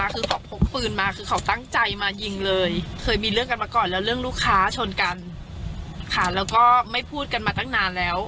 เป็นเรื่องที่เขาเคยมีอะไรกันมาแล้ว